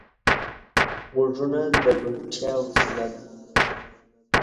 غوږونه د روڼتیا وسیله ده